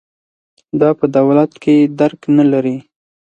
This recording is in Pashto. دا په دولت کې درک نه لري.